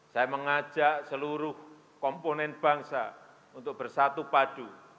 saya mengajak seluruh komponen bangsa untuk bersatu padu